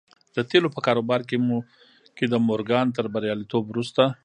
د تيلو په کاروبار کې د مورګان تر برياليتوب وروسته.